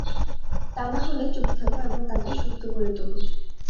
তা নাহলে চুপ থাকো, এবং তাকে সুস্থ করে তোলো।